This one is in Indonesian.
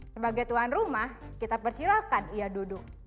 sebagai tuan rumah kita persilahkan ia duduk